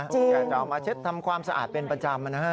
จริงอยากจะเอามาเช็ดทำความสะอาดเป็นประจำนะ